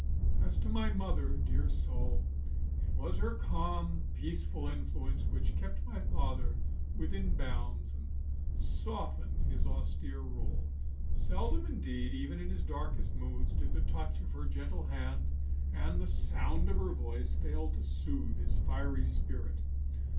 As to my mother, dear soul, it was her calm, peaceful influence which kept my father within bounds, and softened his austere rule. Seldom indeed, even in his darkest moods, did the touch of her gentle hand and the sound of her voice fail to soothe his fiery spirit.